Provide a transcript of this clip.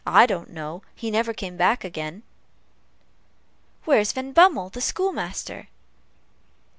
I don't know he never came back again." "Where's Van Bummel, the schoolmaster?"